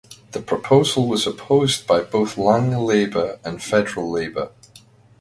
The proposal was opposed by both Lang Labor and Federal Labor.